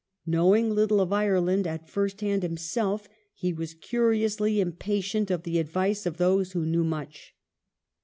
Knowing little of Ireland at fii'st hand himself, he was curiously impatient of the advice of those who knew much.